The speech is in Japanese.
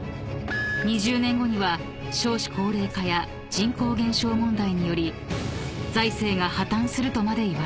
［２０年後には少子高齢化や人口減少問題により財政が破綻するとまでいわれている］